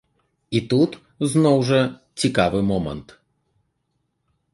І тут, зноў жа, цікавы момант.